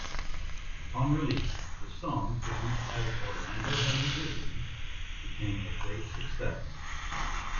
Upon release, the song, produced as Orlando had envisioned became a great success.